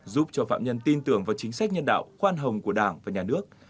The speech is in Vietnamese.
giúp cho phạm nhân tin tưởng vào chính sách nhân đạo khoan hồng của đảng và nhà nước